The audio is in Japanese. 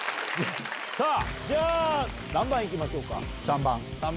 じゃあ何番行きましょうか？